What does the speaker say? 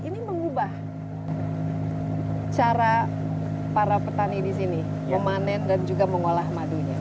ini mengubah cara para petani di sini memanen dan juga mengolah madunya